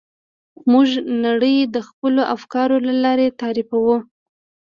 موږ نړۍ د خپلو افکارو له لارې تعریفوو.